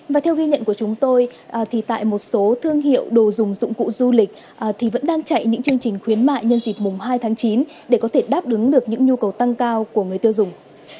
và theo ghi nhận của chúng tôi thì tại một số thương hiệu đồ dùng dụng cụ du lịch thì vẫn đang chạy những chương trình khuyến mại nhân dịp mùng hai tháng chín để có thể đáp ứng được những nhu cầu tăng cao của người tiêu dùng